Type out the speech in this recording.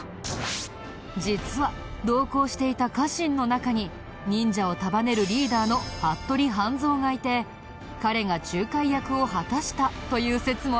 実は同行していた家臣の中に忍者を束ねるリーダーの服部半蔵がいて彼が仲介役を果たしたという説もあるんだ。